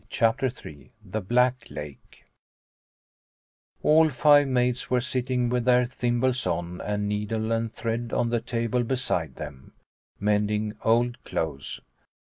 CHAPTER III THE BLACK LAKE ALL five maids were sitting with their thimbles on and needle and thread on the table beside them, mending old clothes.